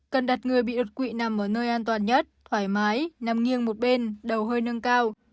cần đặt người bị đột quỵ nằm ở nơi an toàn nhất thoải mái nằm nghiêng một bên đầu hơi nâng cao